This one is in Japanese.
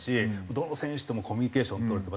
どの選手ともコミュニケーション取れて。